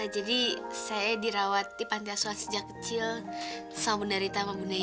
jadi saya dirawat di panti asuhan sejak kecil sama bunda rita sama bunda yesi